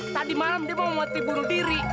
tadi malam dia mau mati bunuh diri